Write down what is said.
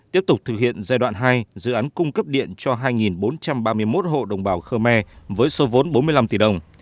tiếp tục thực hiện giai đoạn hai dự án cung cấp điện cho hai bốn trăm ba mươi một hộ đồng bào khơ me với số vốn bốn mươi năm tỷ đồng